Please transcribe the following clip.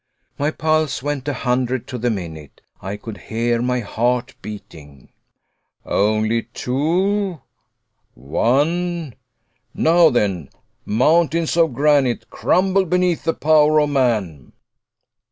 My pulse went a hundred to the minute. I could hear my heart beating. "Only two, one! Now, then, mountains of granite, crumble beneath the power of man!"